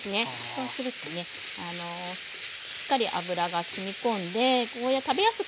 そうするとねしっかり脂がしみ込んでゴーヤー食べやすくなりますので。